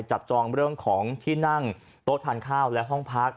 จับจองเรื่องของที่นั่งโต๊ะทานข้าวและห้องพัก